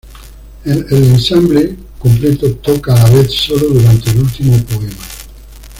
El ensamble completo toca a la vez sólo durante el último poema.